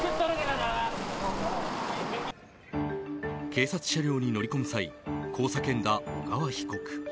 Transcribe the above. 警察車両に乗り込む際こう叫んだ小川被告。